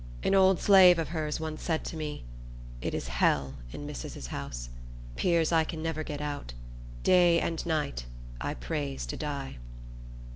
An old slave of hers once said to me, "It is hell in missis's house. 'Pears I can never get out. Day and night I prays to die."